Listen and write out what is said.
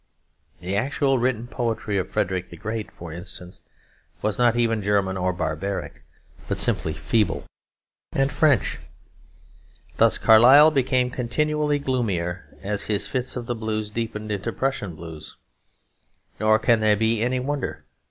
The actual written poetry of Frederick the Great, for instance, was not even German or barbaric, but simply feeble and French. Thus Carlyle became continually gloomier as his fit of the blues deepened into Prussian blues; nor can there be any wonder.